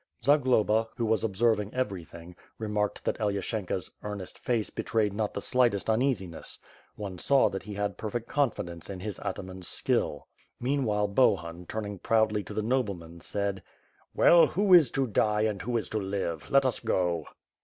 Zagloba, who was observing everything, remarked that Ely ashenka's earnest face betrayed not the slightest uneasiness — one saw that he had perfect confidence in his ataman's skill. Meanwhile, Bohun, turning proudly to the noblemen, said: "Well, who is to die and who is to live? Let us go."